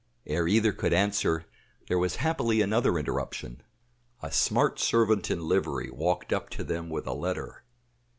Ere either could answer, there was happily another interruption. A smart servant in livery walked up to them with a letter.